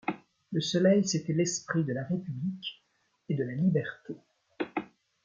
Le soleil c'était l'esprit de la République et de la Liberté !